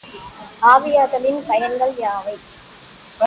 ஆவியாதலின் பயன்கள் யாவை?